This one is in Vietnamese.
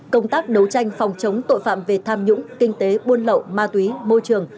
công tác đấu tranh phòng chống tội phạm về tham nhũng kinh tế buôn lậu ma túy môi trường